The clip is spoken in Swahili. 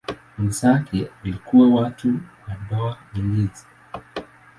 Wenzake walikuwa watu wa ndoa wenyeji.